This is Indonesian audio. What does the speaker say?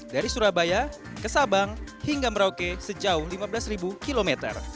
dari surabaya ke sabang hingga merauke sejauh lima belas km